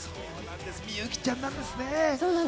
美雪ちゃんなんですね。